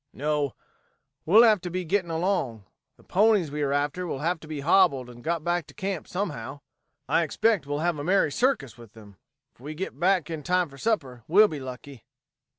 "No; we'll have to be getting along. The ponies we are after will have to be hobbled and got back to camp somehow. I expect we'll have a merry circus with them. If we get back in time for supper we'll be lucky."